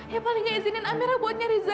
ya palingnya izinin amira buat nyari zaira